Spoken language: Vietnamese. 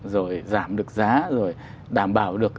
rồi giảm được giá rồi đảm bảo được